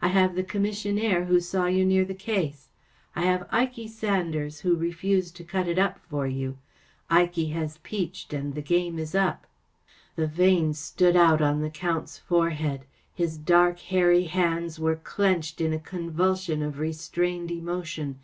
I have the Commissionaire who saw you near the case. I have Ikey Sanders, who refused to cut it up for you. Ikey has peached, and the game is up.‚ÄĚ The veins stood out on the Count's fore¬ head. His dark, hairy hands were clenched in, a convulsion of restrained emotion.